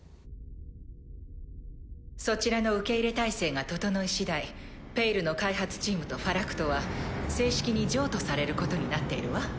そちらの受け入れ態勢が整いしだい「ペイル」の開発チームとファラクトは正式に譲渡されることになっているわ。